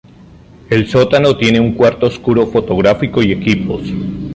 El sótano tiene un cuarto oscuro fotográfico y equipos.